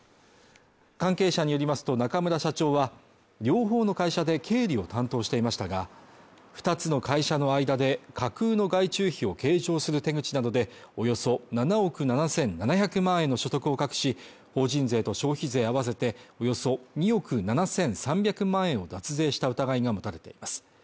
関係者によりますと中村社長は、両方の会社で経理を担当していましたが、二つの会社の間で、架空の外注費を計上する手口などでおよそ７億７７００万円の所得を隠し、法人税と消費税を合わせておよそ２億７３００万円を脱税した疑いが持たれています。